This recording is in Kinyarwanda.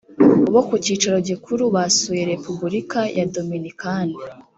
bo ku cyicaro gikuru basuye repubulika ya dominikani